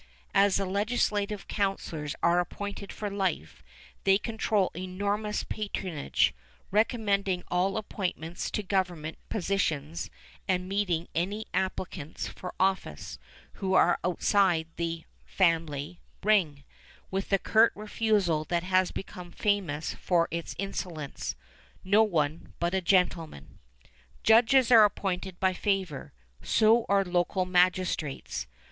As the legislative councilors are appointed for life, they control enormous patronage, recommending all appointments to government positions and meeting any applicants for office, who are outside the "family" ring, with the curt refusal that has become famous for its insolence, "no one but a gentleman." Judges are appointed by favor. So are local magistrates.